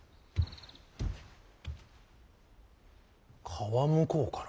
川向こうから。